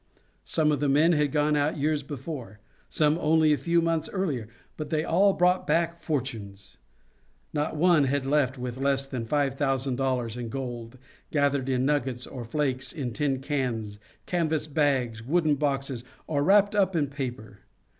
Some of the men had gone out years before; some only a few months earlier, but they all brought back fortunes. Not one had left with less than $5,000 in gold, gathered in nuggets or flakes, in tin cans, canvas bags, wooden boxes, or wrapped up in paper.